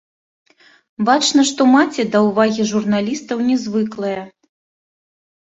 Бачна, што маці да ўвагі журналістаў не звыклая.